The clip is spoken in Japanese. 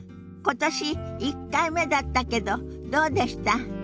今年１回目だったけどどうでした？